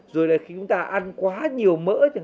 rồi khi chúng ta ăn quá nhiều mỡ